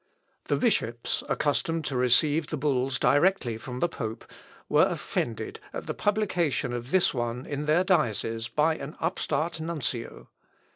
The bishops, accustomed to receive the bulls directly from the pope, were offended at the publication of this one in their dioceses by an upstart nuncio.